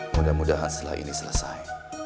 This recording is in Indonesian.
mudah mudahan setelah ini selesai